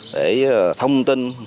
để thông tin